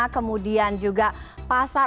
kemudian juga pasar